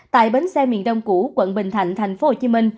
tại bến xe miền đông củ quận bình thạnh tp hcm